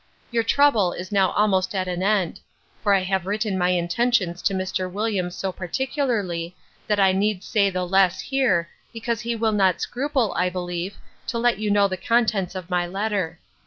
Your trouble is now almost at an end; for I have written my intentions to Mr. Williams so particularly, that I need say the less here, because he will not scruple, I believe, to let you know the contents of my letter.